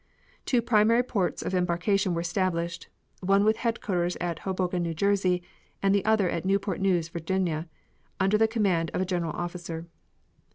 Two primary ports of embarkation were established, one with headquarters at Hoboken, N. J., and the other at Newport News, Va., each under the command of a general officer.